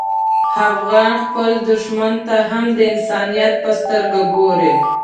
افغان خپل دښمن ته هم د انسانیت په سترګه ګوري.